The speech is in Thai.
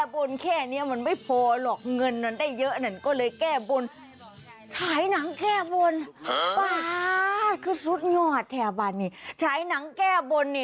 บุญบ่หวัดรางวัลไง